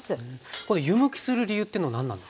これ湯むきする理由というのは何なんですか？